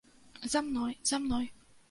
За мной, за мной.